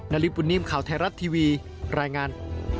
ริปุ่นนิ่มข่าวไทยรัฐทีวีรายงาน